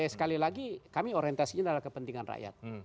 sekali lagi kami orientasinya adalah kepentingan rakyat